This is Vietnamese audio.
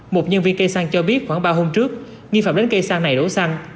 một nhân viên cây xăng cho biết khoảng ba hôm trước nghi phạm đến cây xăng này đổ xăng